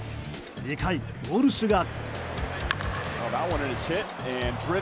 ２回、ウォルシュが。